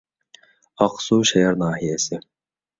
ئاقسۇ شايار ناھىيەسى